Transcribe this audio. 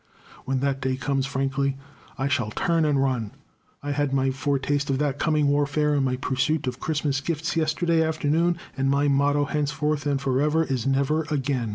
When that day comes, frankly, I shall turn and run. I had my foretaste of that coming warfare in my pursuit of Christmas gifts yesterday afternoon, and my motto henceforth and forever is Never Again!"